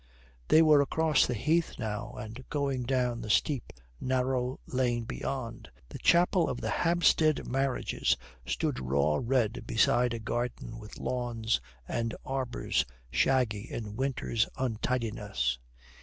They were across the heath now and going down the steep, narrow lane beyond. The chapel of the Hampstead marriages stood raw red beside a garden with lawns and arbours shaggy in winter's untidiness.